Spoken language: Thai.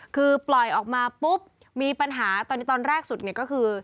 คือปล่อยออกมาปุ๊บมีปัญหาตอนนี้ตอนแรกสุดเนี่ยก็คือ